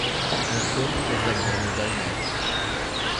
Antônio José Gomes Das Neves